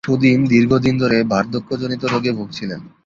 সুধীন দীর্ঘদিন ধরে বার্ধক্যজনিত রোগে ভুগছিলেন।